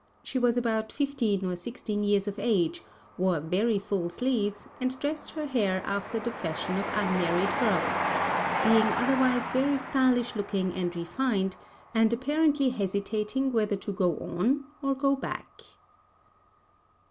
She was about fifteen or sixteen years of age, wore very full sleeves, and dressed her hair after the fashion of unmarried girls, being otherwise very stylish looking and refined, and apparently hesitating whether to go on or go back.